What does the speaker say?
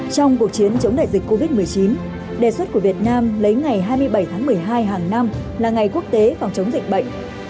trong cuộc chiến chống đại dịch covid một mươi chín đề xuất của việt nam lấy ngày hai mươi bảy tháng một mươi hai hàng năm là ngày quốc tế phòng chống dịch bệnh